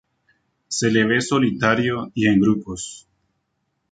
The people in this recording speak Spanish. Se le ve solitario y en grupos.